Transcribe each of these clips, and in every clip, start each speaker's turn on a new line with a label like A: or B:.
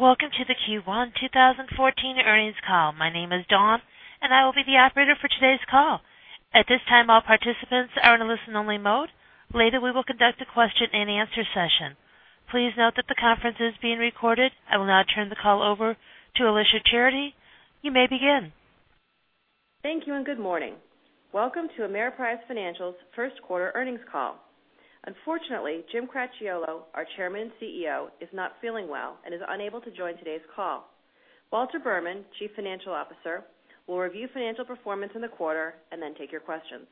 A: Welcome to the Q1 2014 earnings call. My name is Dawn, and I will be the operator for today's call. At this time, all participants are in a listen-only mode. Later, we will conduct a question-and-answer session. Please note that the conference is being recorded. I will now turn the call over to Alicia Charity. You may begin.
B: Thank you. Good morning. Welcome to Ameriprise Financial's first quarter earnings call. Unfortunately, Jim Cracchiolo, our Chairman and CEO, is not feeling well and is unable to join today's call. Walter Berman, Chief Financial Officer, will review financial performance in the quarter and then take your questions.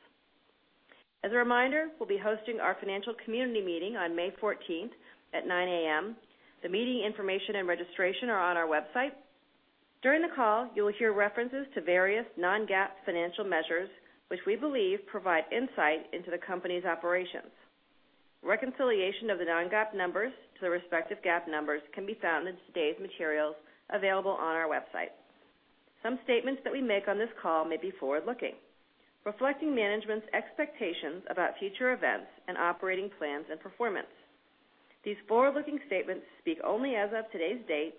B: As a reminder, we will be hosting our financial community meeting on May 14th at 9:00 A.M. The meeting information and registration are on our website. During the call, you will hear references to various non-GAAP financial measures, which we believe provide insight into the company's operations. Reconciliation of the non-GAAP numbers to their respective GAAP numbers can be found in today's materials available on our website. Some statements that we make on this call may be forward-looking, reflecting management's expectations about future events and operating plans and performance. These forward-looking statements speak only as of today's date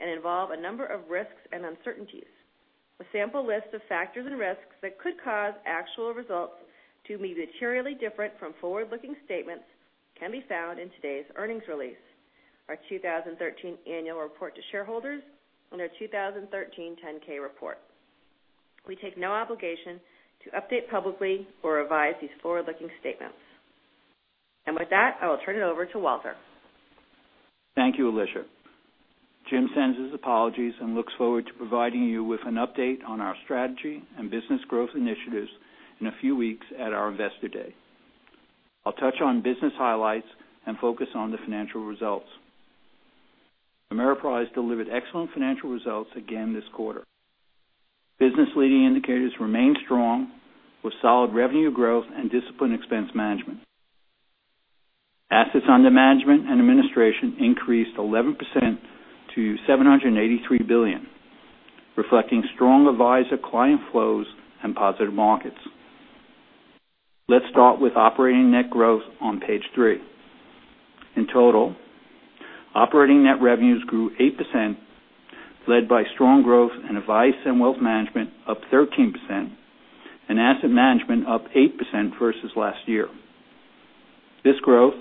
B: and involve a number of risks and uncertainties. A sample list of factors and risks that could cause actual results to be materially different from forward-looking statements can be found in today's earnings release, our 2013 annual report to shareholders, and our 2013 10-K report. We take no obligation to update publicly or revise these forward-looking statements. With that, I will turn it over to Walter.
C: Thank you, Alicia. Jim sends his apologies and looks forward to providing you with an update on our strategy and business growth initiatives in a few weeks at our Investor Day. I will touch on business highlights and focus on the financial results. Ameriprise delivered excellent financial results again this quarter. Business leading indicators remained strong with solid revenue growth and disciplined expense management. Assets under management and administration increased 11% to $783 billion, reflecting strong advisor client flows and positive markets. Let's start with operating net growth on page three. In total, operating net revenues grew 8%, led by strong growth in Advice & Wealth Management, up 13%, and Asset Management up 8% versus last year. This growth,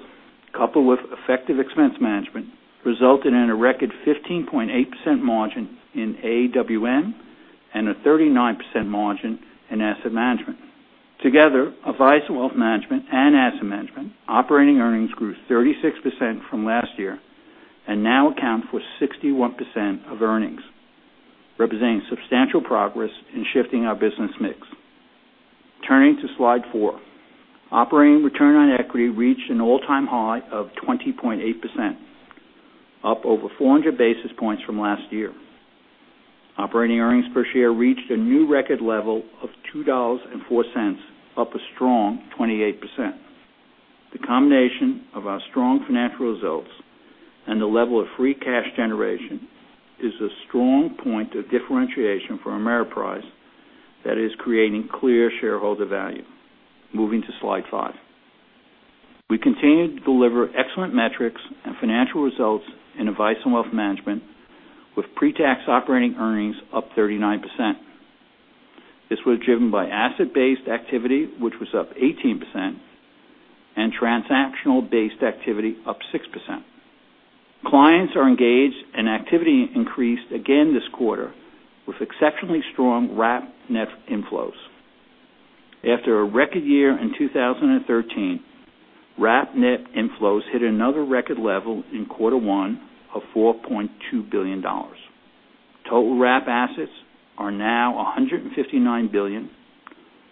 C: coupled with effective expense management, resulted in a record 15.8% margin in AWM and a 39% margin in Asset Management. Together, Advice & Wealth Management and Asset Management operating earnings grew 36% from last year and now account for 61% of earnings, representing substantial progress in shifting our business mix. Turning to slide four. Operating return on equity reached an all-time high of 20.8%, up over 400 basis points from last year. Operating earnings per share reached a new record level of $2.04, up a strong 28%. The combination of our strong financial results and the level of free cash generation is a strong point of differentiation for Ameriprise that is creating clear shareholder value. Moving to slide five. We continued to deliver excellent metrics and financial results in Advice & Wealth Management, with pre-tax operating earnings up 39%. This was driven by asset-based activity, which was up 18%, and transactional-based activity up 6%. Clients are engaged, and activity increased again this quarter with exceptionally strong Wrap net inflows. After a record year in 2013, Wrap net inflows hit another record level in quarter one of $4.2 billion. Total Wrap assets are now $159 billion,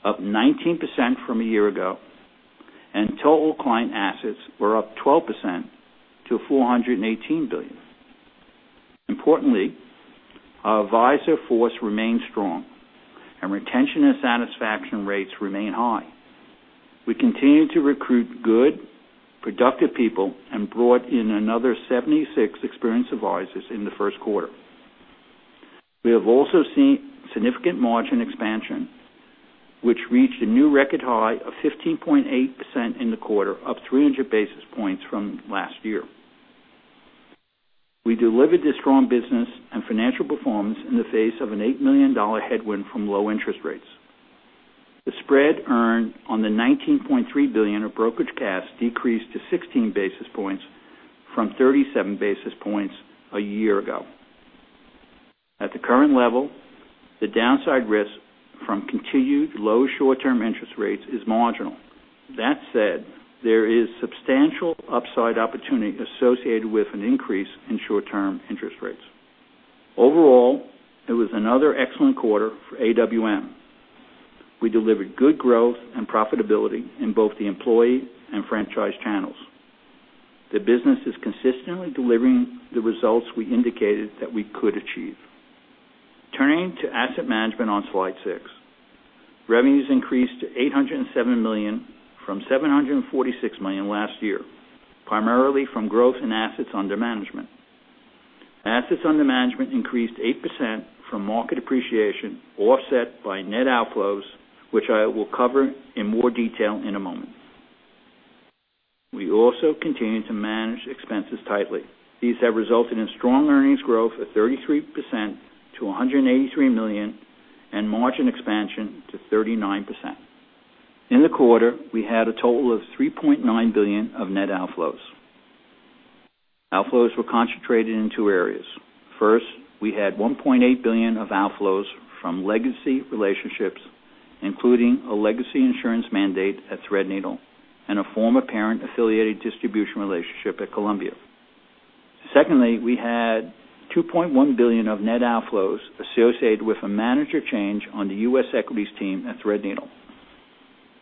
C: up 19% from a year ago, and total client assets were up 12% to $418 billion. Importantly, our advisor force remains strong, and retention and satisfaction rates remain high. We continue to recruit good, productive people and brought in another 76 experienced advisors in the first quarter. We have also seen significant margin expansion, which reached a new record high of 15.8% in the quarter, up 300 basis points from last year. We delivered this strong business and financial performance in the face of an $8 million headwind from low interest rates. The spread earned on the $19.3 billion of brokerage cash decreased to 16 basis points from 37 basis points a year ago. At the current level, the downside risk from continued low short-term interest rates is marginal. That said, there is substantial upside opportunity associated with an increase in short-term interest rates. Overall, it was another excellent quarter for AWM. We delivered good growth and profitability in both the employee and franchise channels. The business is consistently delivering the results we indicated that we could achieve. Turning to Asset Management on slide six. Revenues increased to $807 million from $746 million last year, primarily from growth in assets under management. Assets under management increased 8% from market appreciation, offset by net outflows, which I will cover in more detail in a moment. We also continue to manage expenses tightly. These have resulted in strong earnings growth of 33% to $183 million and margin expansion to 39%. In the quarter, we had a total of $3.9 billion of net outflows. Outflows were concentrated in two areas. First, we had $1.8 billion of outflows from legacy relationships, including a legacy insurance mandate at Threadneedle and a former parent-affiliated distribution relationship at Columbia. Secondly, we had $2.1 billion of net outflows associated with a manager change on the U.S. equities team at Threadneedle.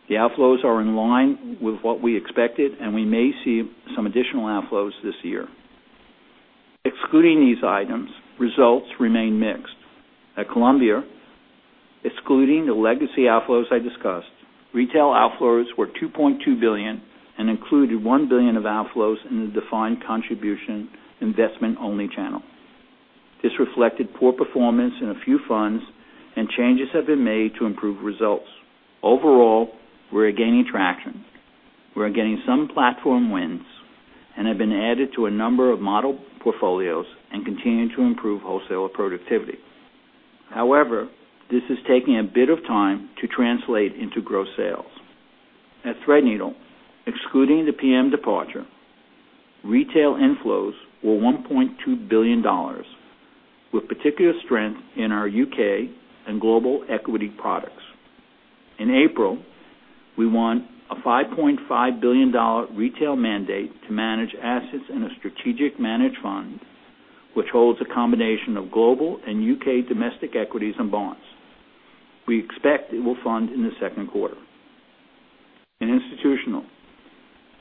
C: The outflows are in line with what we expected, and we may see some additional outflows this year. Excluding these items, results remain mixed. At Columbia, excluding the legacy outflows I discussed, retail outflows were $2.2 billion and included $1 billion of outflows in the defined contribution investment-only channel. This reflected poor performance in a few funds and changes have been made to improve results. Overall, we're gaining traction. We're getting some platform wins and have been added to a number of model portfolios and continue to improve wholesaler productivity. This is taking a bit of time to translate into gross sales. At Threadneedle, excluding the PM departure, retail inflows were $1.2 billion, with particular strength in our U.K. and global equity products. In April, we won a $5.5 billion retail mandate to manage assets in a strategic managed fund, which holds a combination of global and U.K. domestic equities and bonds. We expect it will fund in the second quarter. In institutional,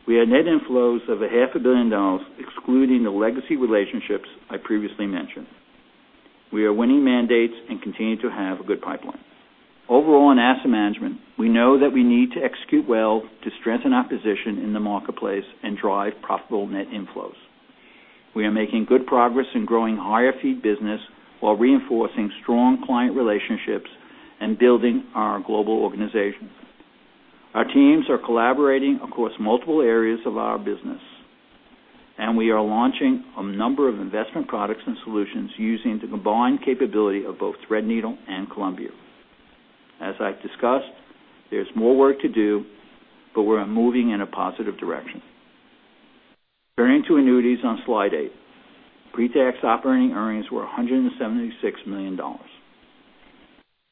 C: we had net inflows of a half a billion dollars, excluding the legacy relationships I previously mentioned. We are winning mandates and continue to have a good pipeline. Overall, in asset management, we know that we need to execute well to strengthen our position in the marketplace and drive profitable net inflows. We are making good progress in growing higher fee business while reinforcing strong client relationships and building our global organization. Our teams are collaborating across multiple areas of our business. We are launching a number of investment products and solutions using the combined capability of both Threadneedle and Columbia. As I've discussed, there's more work to do. We're moving in a positive direction. Turning to annuities on slide eight. Pre-tax operating earnings were $176 million.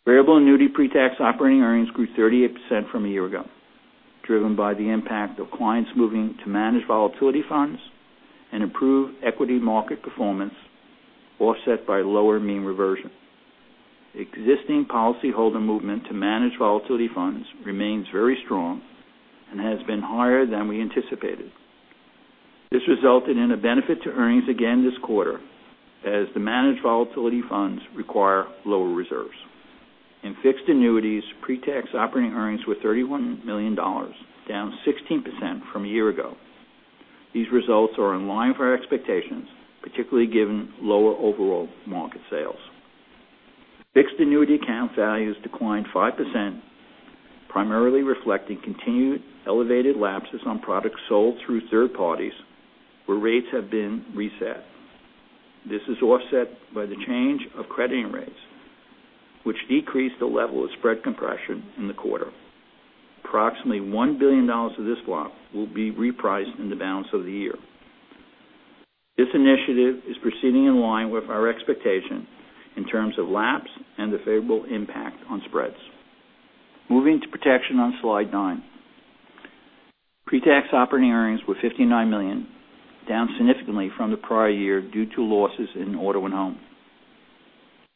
C: Variable annuity pre-tax operating earnings grew 38% from a year ago, driven by the impact of clients moving to managed volatility funds and improved equity market performance, offset by lower mean reversion. Existing policyholder movement to managed volatility funds remains very strong and has been higher than we anticipated. This resulted in a benefit to earnings again this quarter, as the managed volatility funds require lower reserves. In fixed annuities, pre-tax operating earnings were $31 million, down 16% from a year ago. These results are in line with our expectations, particularly given lower overall market sales. Fixed annuity account values declined 5%, primarily reflecting continued elevated lapses on products sold through third parties, where rates have been reset. This is offset by the change of crediting rates, which decreased the level of spread compression in the quarter. Approximately $1 billion of this block will be repriced in the balance of the year. This initiative is proceeding in line with our expectation in terms of lapse and the favorable impact on spreads. Moving to protection on slide nine. Pre-tax operating earnings were $59 million, down significantly from the prior year due to losses in auto and home.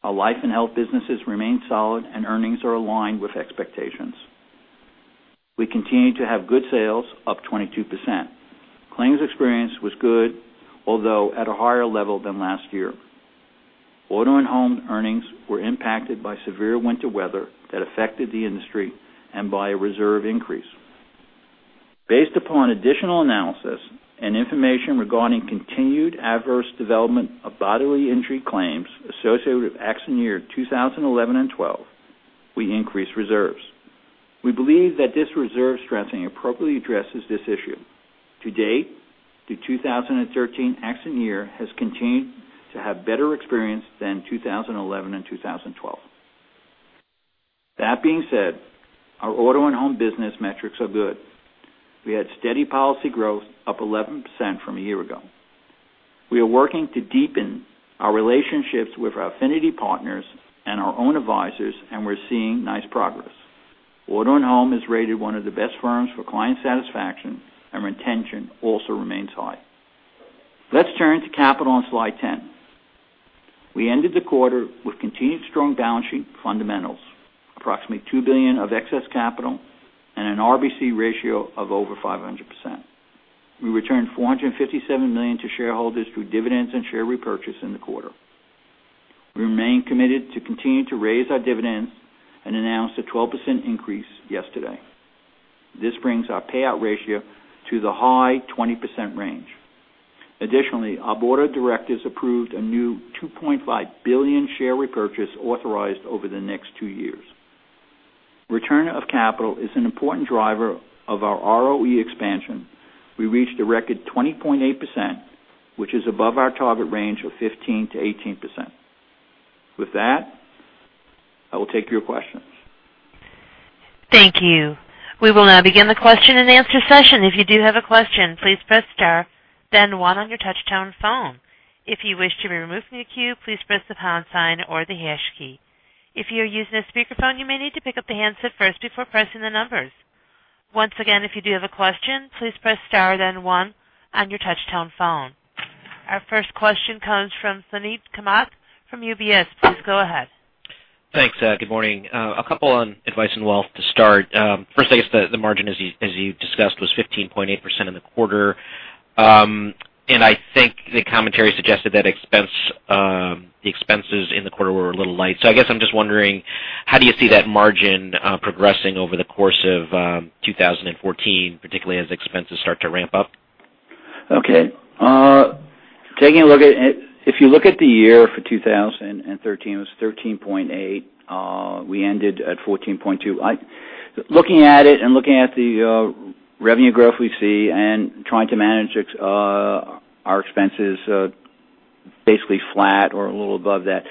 C: Our life and health businesses remain solid, and earnings are aligned with expectations. We continue to have good sales, up 22%. Claims experience was good, although at a higher level than last year. Auto and home earnings were impacted by severe winter weather that affected the industry and by a reserve increase. Based upon additional analysis and information regarding continued adverse development of bodily injury claims associated with accident year 2011 and 2012, we increased reserves. We believe that this reserve strengthening appropriately addresses this issue. To date, the 2013 accident year has continued to have better experience than 2011 and 2012. That being said, our auto and home business metrics are good. We had steady policy growth up 11% from a year ago. We are working to deepen our relationships with our affinity partners and our own advisors. We're seeing nice progress. Auto and home is rated one of the best firms for client satisfaction, and retention also remains high. Let's turn to capital on slide 10. We ended the quarter with continued strong balance sheet fundamentals, approximately $2 billion of excess capital and an RBC ratio of over 500%. We returned $457 million to shareholders through dividends and share repurchase in the quarter. We remain committed to continue to raise our dividends and announced a 12% increase yesterday. This brings our payout ratio to the high 20% range. Additionally, our board of directors approved a new $2.5 billion share repurchase authorized over the next two years. Return of capital is an important driver of our ROE expansion. We reached a record 20.8%, which is above our target range of 15%-18%. With that, I will take your questions.
A: Thank you. We will now begin the question and answer session. If you do have a question, please press star then one on your touch-tone phone. If you wish to be removed from the queue, please press the pound sign or the hash key. If you're using a speakerphone, you may need to pick up the handset first before pressing the numbers. Once again, if you do have a question, please press star then one on your touch-tone phone. Our first question comes from Suneet Kamath from UBS. Please go ahead.
D: Thanks. Good morning. A couple on Advice & Wealth to start. First, I guess the margin, as you discussed, was 15.8% in the quarter. I think the commentary suggested that the expenses in the quarter were a little light. I guess I'm just wondering, how do you see that margin progressing over the course of 2014, particularly as expenses start to ramp up?
C: Okay. If you look at the year for 2013, it was 13.8%. We ended at 14.2%. Looking at it and looking at the revenue growth we see and trying to manage our expenses, basically flat or a little above that,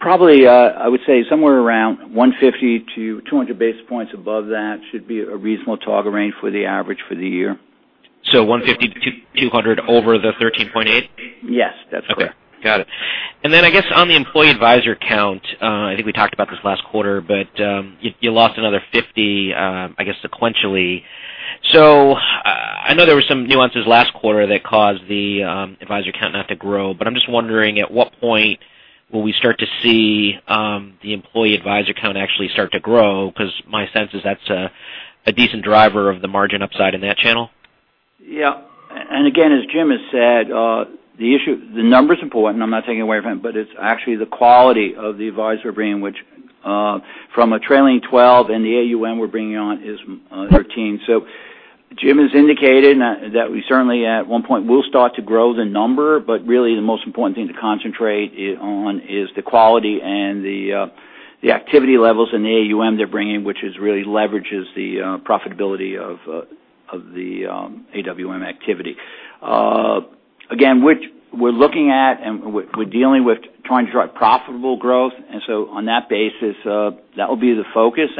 C: probably, I would say somewhere around 150 to 200 basis points above that should be a reasonable target range for the average for the year.
D: 150 to 200 over the 13.8?
C: Yes, that's correct.
D: Okay. Got it. I guess on the employee advisor count, I think we talked about this last quarter, but you lost another 50, I guess, sequentially. I know there were some nuances last quarter that caused the advisor count not to grow, but I'm just wondering at what point will we start to see the employee advisor count actually start to grow? My sense is that's a decent driver of the margin upside in that channel.
C: Yeah. As Jim has said, the number's important, I'm not taking away from it, but it's actually the quality of the advisor bringing, which from a trailing 12 and the AUM we're bringing on is 13. Jim has indicated that we certainly at one point will start to grow the number, but really the most important thing to concentrate on is the quality and the activity levels in the AUM they're bringing, which really leverages the profitability of the AWM activity. Again, we're looking at and we're dealing with trying to drive profitable growth. On that basis, that will be the focus.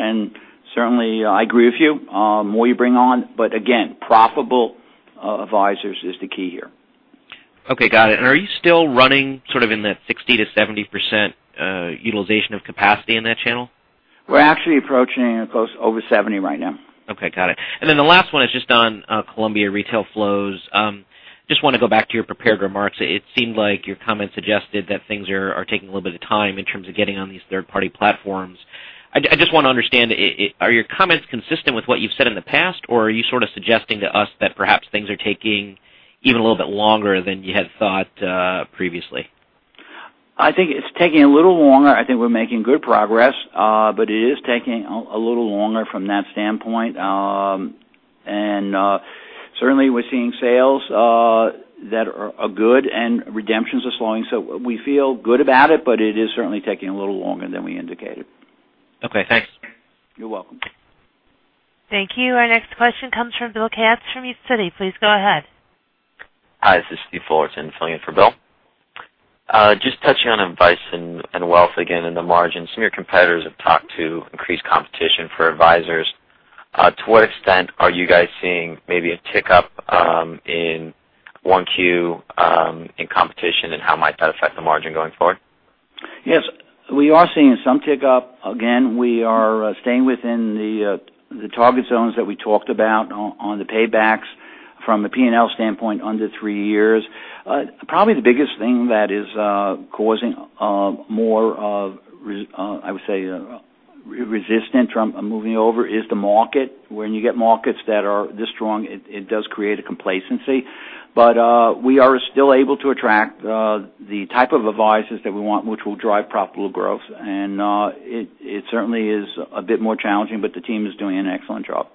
C: I agree with you, the more you bring on. Profitable advisors is the key here.
D: Okay, got it. Are you still running sort of in that 60%-70% utilization of capacity in that channel?
C: We're actually approaching close over 70% right now.
D: Okay, got it. The last one is just on Columbia Retail flows. Just want to go back to your prepared remarks. It seemed like your comments suggested that things are taking a little bit of time in terms of getting on these third-party platforms. I just want to understand, are your comments consistent with what you've said in the past, or are you sort of suggesting to us that perhaps things are taking even a little bit longer than you had thought previously?
C: I think it's taking a little longer. I think we're making good progress. It is taking a little longer from that standpoint. Certainly, we're seeing sales that are good and redemptions are slowing. We feel good about it, but it is certainly taking a little longer than we indicated.
D: Okay, thanks.
C: You're welcome.
A: Thank you. Our next question comes from Bill Katz from Citigroup. Please go ahead.
E: Hi, this is Steve Fullerton filling in for Bill. Just touching on Advice & Wealth Management again, and the margins. Some of your competitors have talked to increased competition for advisors. To what extent are you guys seeing maybe a tick up in 1Q in competition, and how might that affect the margin going forward?
C: Yes, we are seeing some tick up. Again, we are staying within the target zones that we talked about on the paybacks from a P&L standpoint under three years. Probably the biggest thing that is causing more of, I would say, resistance from moving over is the market. When you get markets that are this strong, it does create a complacency. We are still able to attract the type of advisors that we want, which will drive profitable growth. It certainly is a bit more challenging, but the team is doing an excellent job.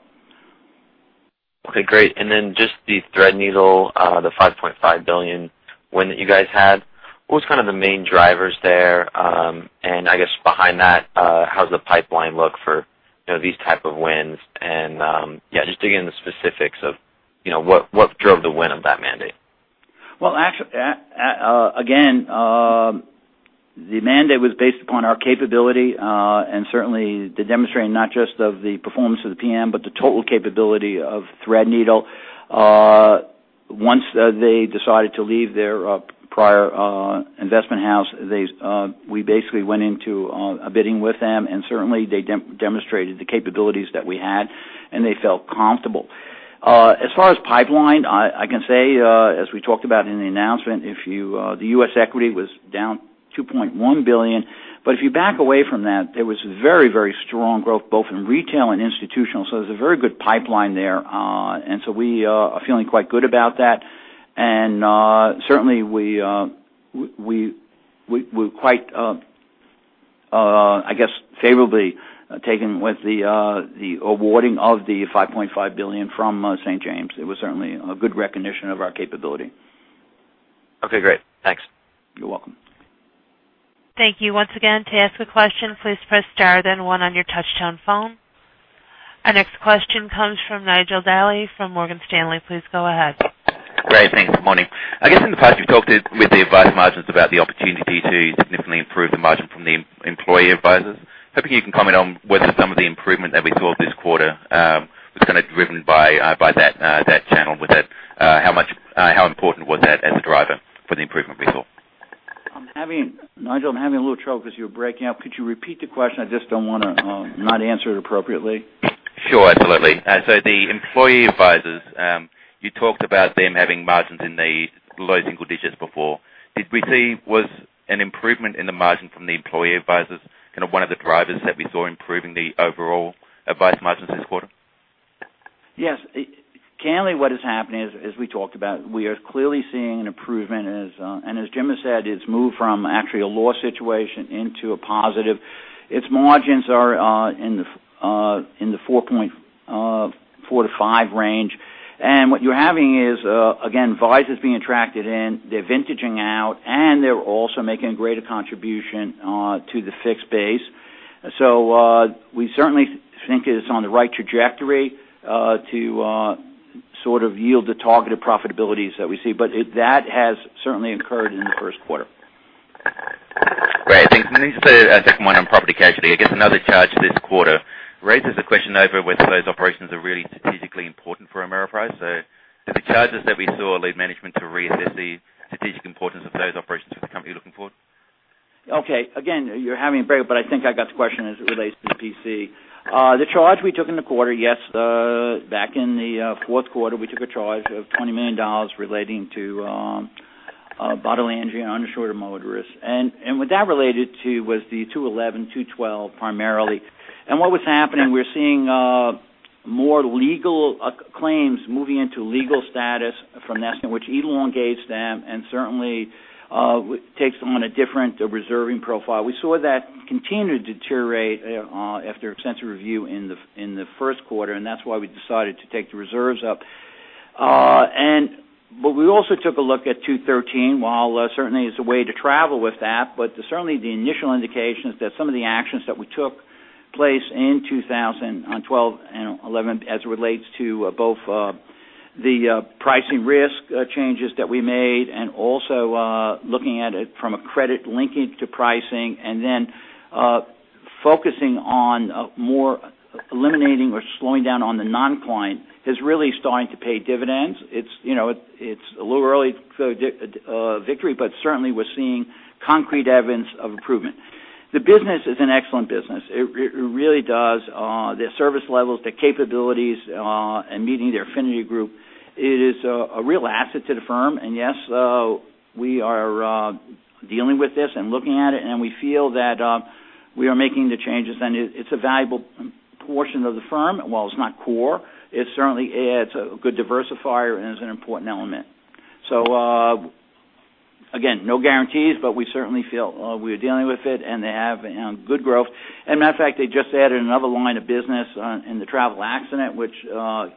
E: Okay, great. Just the Threadneedle, the $5.5 billion win that you guys had, what was kind of the main drivers there? I guess behind that, how does the pipeline look for these type of wins? Just digging into the specifics of what drove the win of that mandate.
C: Well, again, the mandate was based upon our capability. Certainly demonstrating not just of the performance of the PM, but the total capability of Threadneedle. Once they decided to leave their prior investment house, we basically went into a bidding with them, and certainly they demonstrated the capabilities that we had, and they felt comfortable. As far as pipeline, I can say, as we talked about in the announcement, the U.S. equity was down $2.1 billion. If you back away from that, there was very, very strong growth both in retail and institutional. There's a very good pipeline there. We are feeling quite good about that. Certainly, we're quite, I guess, favorably taken with the awarding of the $5.5 billion from St. James. It was certainly a good recognition of our capability.
E: Okay, great. Thanks.
C: You're welcome.
A: Thank you. Once again, to ask a question, please press star, then one on your touch-tone phone. Our next question comes from Nigel Dally from Morgan Stanley. Please go ahead.
F: Great, thanks. Good morning. I guess in the past, you've talked with the advice margins about the opportunity to significantly improve the margin from the employee advisors. Hoping you can comment on whether some of the improvement that we saw this quarter was kind of driven by that channel. How important was that as a driver for the improvement we saw?
C: Nigel, I'm having a little trouble because you're breaking up. Could you repeat the question? I just don't want to not answer it appropriately.
F: Sure, absolutely. The employee advisors, you talked about them having margins in the low single digits before. Did we see an improvement in the margin from the employee advisors, kind of one of the drivers that we saw improving the overall advice margins this quarter?
C: Yes. Candidly, what is happening is, as we talked about, we are clearly seeing an improvement as Jim has said, it's moved from actually a loss situation into a positive. Its margins are in the four to five range. What you're having is, again, advisors being attracted in, they're vintaging out, and they're also making a greater contribution to the fixed base. We certainly think it is on the right trajectory to sort of yield the targeted profitabilities that we see. That has certainly occurred in the first quarter.
F: Great. Thanks. Just a second one on property casualty. I guess another charge this quarter raises the question over whether those operations are really strategically important for Ameriprise. Do the charges that we saw lead management to reassess the strategic importance of those operations for the company looking forward?
C: Okay. Again, you're having a break, but I think I got the question as it relates to PC. The charge we took in the quarter, yes, back in the fourth quarter, we took a charge of $20 million relating to bodily injury on uninsured motorist risk. What that related to was the 2011, 2012 primarily. What was happening, we're seeing more legal claims moving into legal status from pending, which elongates them and certainly takes them on a different reserving profile. We saw that continue to deteriorate after extensive review in the first quarter, and that's why we decided to take the reserves up. We also took a look at 2013, while certainly it's a way to travel with that. Certainly the initial indication is that some of the actions that we took place in 2012 and 2011 as it relates to both the pricing risk changes that we made and also looking at it from a credit linking to pricing, then focusing on more eliminating or slowing down on the non-client is really starting to pay dividends. It's a little early for victory, but certainly we're seeing concrete evidence of improvement. The business is an excellent business. It really does. The service levels, the capabilities, and meeting the affinity group is a real asset to the firm. Yes, we are dealing with this and looking at it, and we feel that we are making the changes, and it's a valuable portion of the firm. While it's not core, it certainly adds a good diversifier and is an important element. Again, no guarantees, but we certainly feel we're dealing with it, and they have good growth. Matter of fact, they just added another line of business in the travel accident, which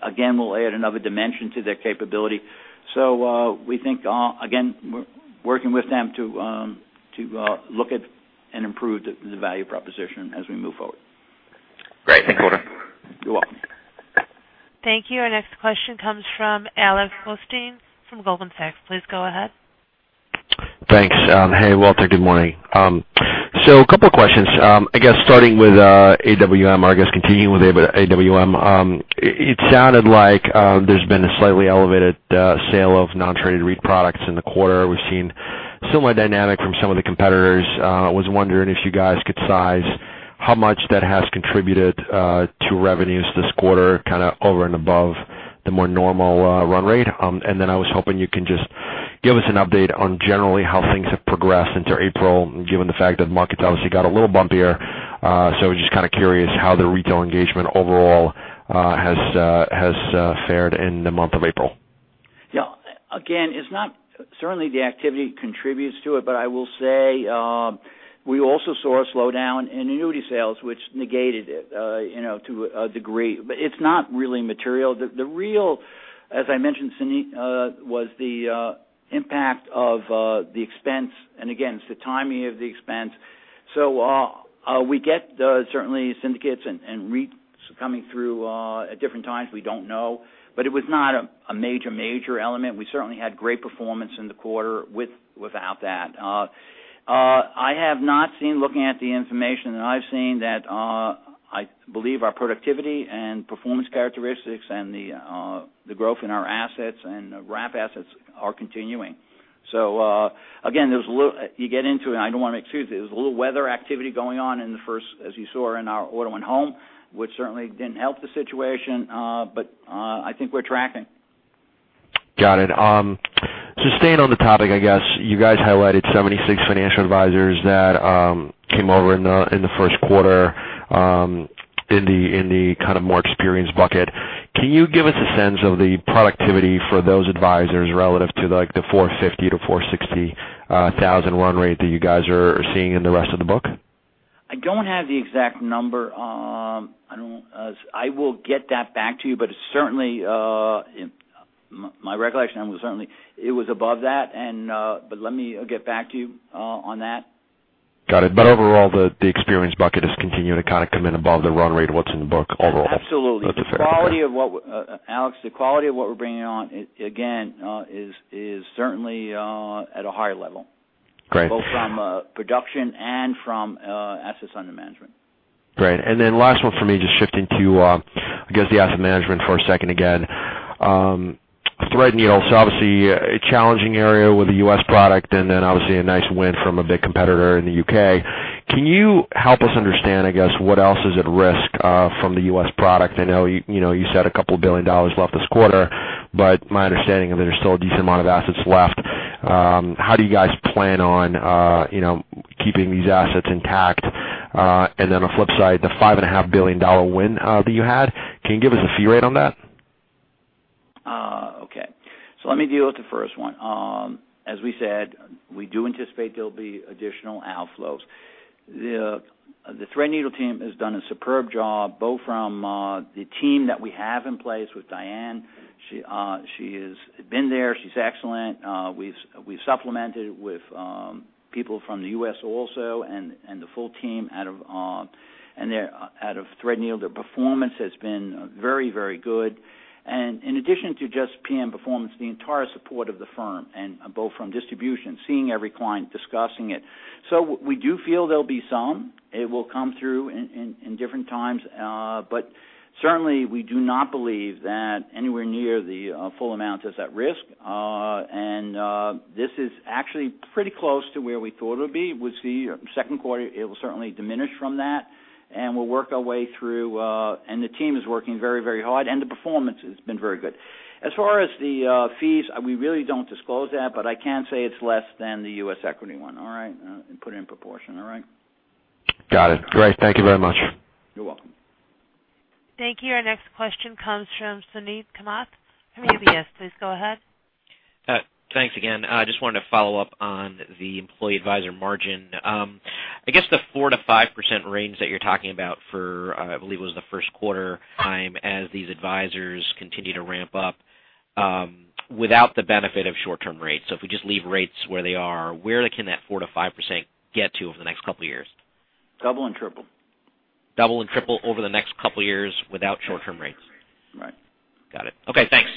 C: again, will add another dimension to their capability. We think, again, working with them to look at and improve the value proposition as we move forward.
F: Great. Thank you, Walter.
C: You're welcome.
A: Thank you. Our next question comes from Alex Blostein from Goldman Sachs. Please go ahead.
G: Thanks. Hey, Walter. Good morning. A couple of questions. I guess starting with AWM, or I guess continuing with AWM. It sounded like there's been a slightly elevated sale of non-traded REIT products in the quarter. We've seen similar dynamic from some of the competitors. I was wondering if you guys could size how much that has contributed to revenues this quarter, kind of over and above the more normal run rate. I was hoping you can just give us an update on generally how things have progressed into April, given the fact that the market's obviously got a little bumpier. Just kind of curious how the retail engagement overall has fared in the month of April.
C: Yeah. Again, certainly the activity contributes to it, I will say, we also saw a slowdown in annuity sales, which negated it to a degree. It's not really material. The real, as I mentioned, Suneet, was the impact of the expense, and again, it's the timing of the expense. We get certainly syndicates and REITs coming through at different times. We don't know. It was not a major element. We certainly had great performance in the quarter without that. I have not seen, looking at the information that I've seen, that I believe our productivity and performance characteristics and the growth in our assets and Wrap assets are continuing. Again, you get into it, and I don't want to make excuses. There was a little weather activity going on in the first, as you saw in our auto and home, which certainly didn't help the situation. I think we're tracking.
G: Got it. Staying on the topic, I guess you guys highlighted 76 financial advisors that came over in the first quarter in the kind of more experienced bucket. Can you give us a sense of the productivity for those advisors relative to the 450,000-460,000 run rate that you guys are seeing in the rest of the book?
C: I don't have the exact number. I will get that back to you, but my recollection, it was above that. Let me get back to you on that.
G: Got it. Overall, the experience bucket is continuing to kind of come in above the run rate of what's in the book overall.
C: Absolutely.
G: That's a fair-
C: Alex, the quality of what we're bringing on, again, is certainly at a higher level.
G: Great.
C: Both from production and from assets under management.
G: Great. Last one for me, just shifting to, I guess, the asset management for a second again. Threadneedle, obviously a challenging area with the U.S. product, and then obviously a nice win from a big competitor in the U.K. Can you help us understand, I guess, what else is at risk from the U.S. product? I know you said a couple billion dollars left this quarter, but my understanding is that there's still a decent amount of assets left. How do you guys plan on keeping these assets intact? On the flip side, the $5.5 billion win that you had, can you give us a fee rate on that?
C: Okay. Let me deal with the first one. As we said, we do anticipate there'll be additional outflows. The Threadneedle team has done a superb job, both from the team that we have in place with Diane. She has been there. She's excellent. We've supplemented with people from the U.S. also, and the full team out of Threadneedle. Their performance has been very good. In addition to just PM performance, the entire support of the firm, both from distribution, seeing every client, discussing it. We do feel there'll be some. It will come through in different times. Certainly we do not believe that anywhere near the full amount is at risk. This is actually pretty close to where we thought it would be. We see second quarter, it will certainly diminish from that, and we'll work our way through. The team is working very hard, and the performance has been very good. As far as the fees, we really don't disclose that, but I can say it's less than the U.S. equity one, all right? Put it in proportion, all right?
G: Got it. Great. Thank you very much.
C: You're welcome.
A: Thank you. Our next question comes from Suneet Kamath from UBS. Please go ahead.
D: Thanks again. I just wanted to follow up on the employee advisor margin. I guess the 4%-5% range that you're talking about for, I believe it was the first quarter time as these advisors continue to ramp up without the benefit of short-term rates. If we just leave rates where they are, where can that 4%-5% get to over the next couple of years?
C: Double and triple.
D: Double and triple over the next couple of years without short-term rates?
C: Right.
D: Got it. Okay, thanks.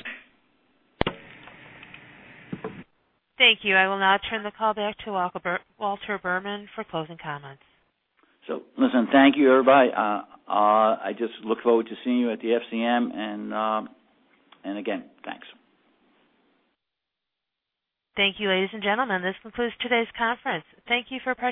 A: Thank you. I will now turn the call back to Walter Berman for closing comments.
C: Listen, thank you, everybody. I just look forward to seeing you at the FCM, and again, thanks.
A: Thank you, ladies and gentlemen. This concludes today's conference. Thank you for participating.